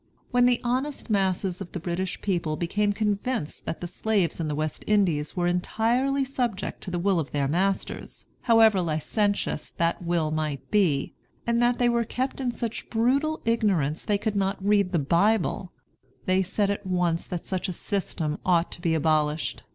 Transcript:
When the honest masses of the British people became convinced that the slaves in the West Indies were entirely subject to the will of their masters, however licentious that will might be, and that they were kept in such brutal ignorance they could not read the Bible, they said at once that such a system ought to be abolished.